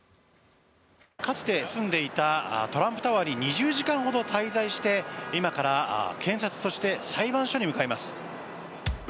かつて住んでいたトランプタワーに２０時間ほど滞在して今から検察そして、裁判所に向かいます。